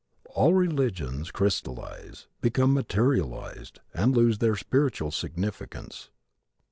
All religions crystalize, become materialized, and lose their spiritual significance.